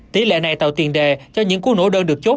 tỷ lệ này tạo tiền đề cho những cú nổ đơn được chốt